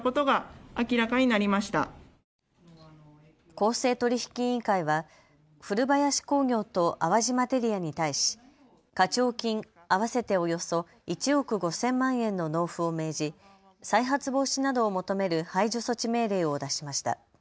公正取引委員会は古林工業と淡路マテリアに対し課徴金、合わせておよそ１億５０００万円の納付を命じ再発防止などを求める排除措置命令を出しました。